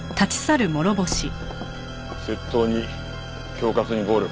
窃盗に恐喝に暴力。